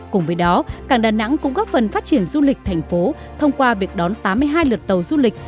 cùng với đó cảng đà nẵng cũng góp phần phát triển du lịch thành phố thông qua việc đón tám mươi hai lượt tàu du lịch